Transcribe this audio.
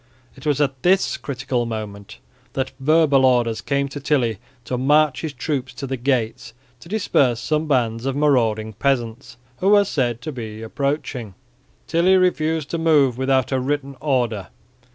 It was at this critical moment that verbal orders came to Tilly to march his troops to the gates to disperse some bands of marauding peasants who were said to be approaching. Tilly refused to move without a written order.